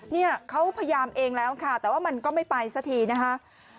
เนี่ยเขาพยายามเองแล้วค่ะแต่ว่ามันก็ไม่ไปสักทีนะคะ